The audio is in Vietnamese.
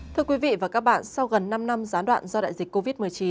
thưa quý vị và các bạn sau gần năm năm gián đoạn do đại dịch covid một mươi chín